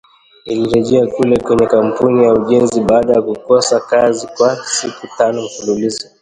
Nilirejea kule kwenye kampuni ya ujenzi baada ya kukosa kazi kwa siku tano mfululizo